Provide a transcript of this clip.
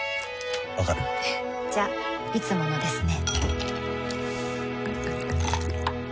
わかる？じゃいつものですね